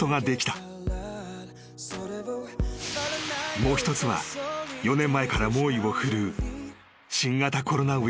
［もう一つは４年前から猛威を振るう］